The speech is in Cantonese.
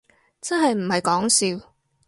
真係唔係講笑